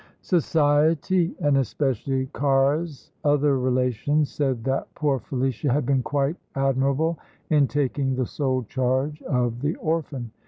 Society, and especially Cara's other relations, said that poor Felicia had been quite admirable in taking the sole charge of the orphan.